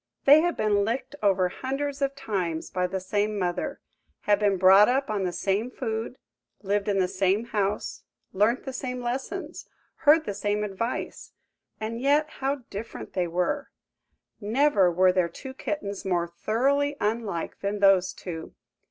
THEY had been licked over hundreds of times by the same mother, had been brought up on the same food, lived in the same house, learnt the same lessons, heard the same advice, and yet how different they were! Never were there two kittens more thoroughly unlike than those two!